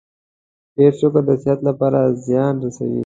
ډیر شکر د صحت لپاره زیان رسوي.